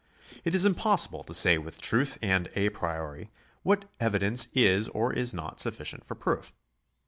It is impossible to say with truth and a priori what evidence is or is not sufficient for proof.